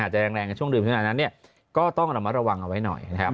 จะแรงในช่วงเดือนมิถุนานั้นเนี่ยก็ต้องเรามาระวังเอาไว้หน่อยนะครับ